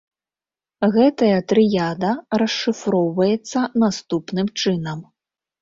Гэтая трыяда расшыфроўваецца наступным чынам.